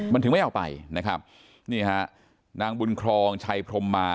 มันถึงไม่เอาไปนะครับนี่ฮะนางบุญครองชัยพรมมา